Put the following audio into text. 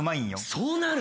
そうなる？